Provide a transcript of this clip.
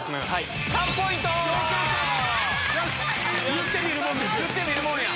言ってみるもんですね。